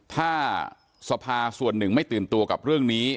ถ้าสภาส่วนหนึ่งไม่ตื่นตัวกับเรื่องนี้